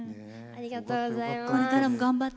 ありがとうございます。